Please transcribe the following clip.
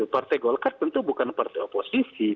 partai golkar tentu bukan partai oposisi